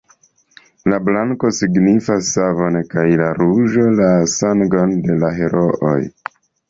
La blanko signifas savon kaj la ruĝo la sangon de la herooj.